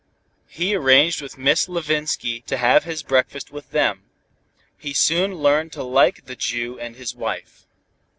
He arranged with Mrs. Levinsky to have his breakfast with them. He soon learned to like the Jew and his wife.